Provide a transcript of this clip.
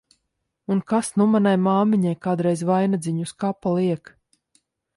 Un kas nu manai māmiņai kādreiz vainadziņu uz kapa liek!